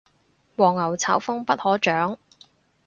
黃牛炒風不可長